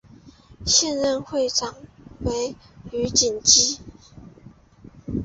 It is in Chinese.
现任会长为余锦基。